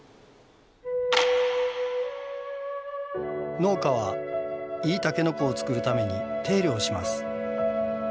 農家はいいタケノコを作るために手入れをします。